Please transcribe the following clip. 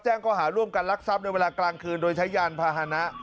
ข้อหาร่วมกันลักทรัพย์ในเวลากลางคืนโดยใช้ยานพาหนะ